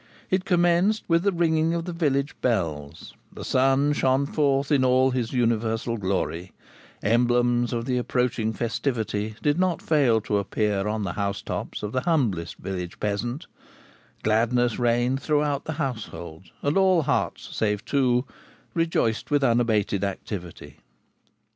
It commenced with the ringing of the village bells; the sun shone forth in all his universal glory; emblems of the approaching festivity did not fail to appear on the housetops of the humblest village peasant; gladness reigned throughout the household, and all hearts, save two, rejoiced with unabated activity.